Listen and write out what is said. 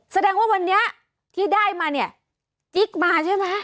แสดงว่าวันนี้ที่ได้มาเนี่ยจิ๊กมาใช่ไหม